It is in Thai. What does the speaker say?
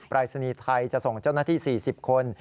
รายศนีย์ไทยจะส่งเจ้าหน้าที่๔๐คน